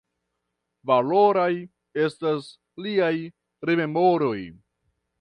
Valoraj estas liaj rememoroj.